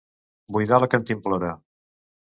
Buidar la cantimplora.